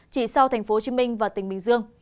chỉ sau tp hcm và tỉnh bình dương